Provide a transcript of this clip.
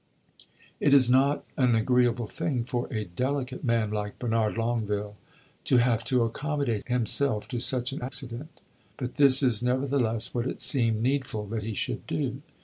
It is not an agreeable thing for a delicate man like Bernard Longueville to have to accommodate himself to such an accident, but this is nevertheless what it seemed needful that he should do.